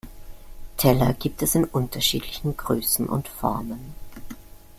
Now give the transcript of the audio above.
Teller gibt es in unterschiedlichen Größen und Formen.